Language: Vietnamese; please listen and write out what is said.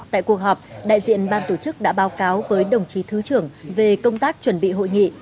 tại cuộc họp đại diện ban tổ chức đã báo cáo với đồng chí thứ trưởng về công tác chuẩn bị hội nghị